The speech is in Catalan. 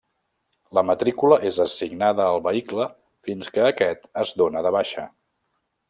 La matrícula és assignada al vehicle fins que aquest es dóna de baixa.